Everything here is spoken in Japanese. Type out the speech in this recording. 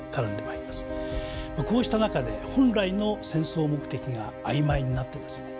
こうした中で本来の戦争目的が曖昧になってですね